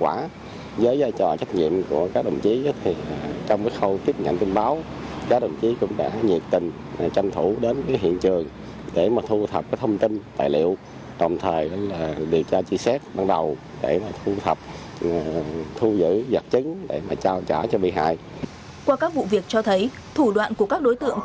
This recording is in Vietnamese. qua các vụ việc cho thấy thủ đoạn của các đối tượng trộm xe máy trên địa bàn huyện lai vung